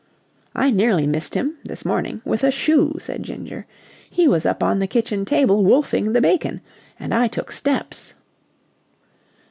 "I nearly missed him this morning with a shoe," said Ginger. "He was up on the kitchen table wolfing the bacon, and I took steps."